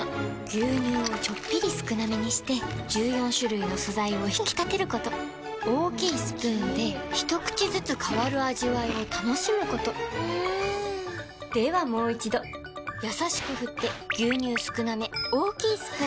牛乳をちょっぴり少なめにして１４種類の素材を引き立てること大きいスプーンで一口ずつ変わる味わいを楽しむことではもう一度これだ！